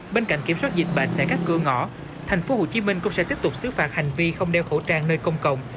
bên cạnh kiểm soát dịch bệnh tại các cửa ngõ thành phố hồ chí minh cũng sẽ tiếp tục xứ phạt hành vi không đeo khẩu trang nơi công cộng